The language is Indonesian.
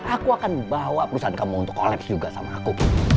aku akan bawa perusahaan kamu untuk kolaps juga sama aku